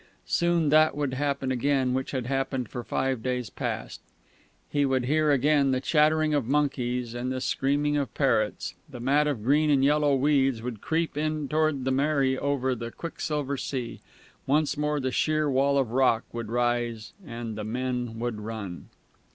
Soon that would happen again which had happened for five days past. He would hear again the chattering of monkeys and the screaming of parrots, the mat of green and yellow weeds would creep in towards the Mary over the quicksilver sea, once more the sheer wall of rock would rise, and the men would run....